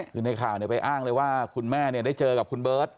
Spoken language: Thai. คือในข่าวไปอ้างเลยว่าคุณแม่ได้เจอกับคุณเบิร์ต